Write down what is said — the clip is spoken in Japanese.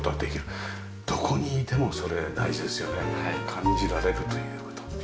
感じられるという事。